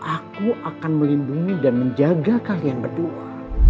aku akan melindungi dan menjaga kalian berdua